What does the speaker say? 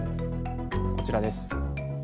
こちらです。